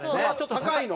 高いの？